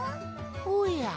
おや？